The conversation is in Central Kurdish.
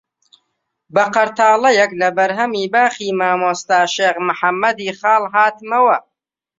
بە قەرتاڵەیەک لە بەرهەمی باخی مامۆستا شێخ محەممەدی خاڵ هاتمەوە